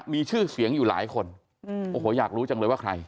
มีชื่อเสียงอยู่หลายคนโอ้โหอยากรู้จังเลยว่าใคร